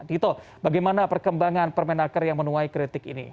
dito bagaimana perkembangan permenaker yang menuai kritik ini